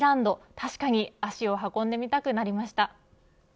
確かに足を運んでみたくなりました。